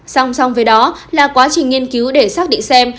song song với đó là quá trình nghiên cứu để xác định xem